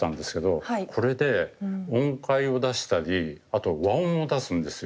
これで音階を出したりあと和音も出すんですよ。